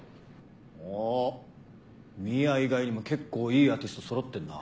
おっミア以外にも結構いいアーティスト揃ってんな。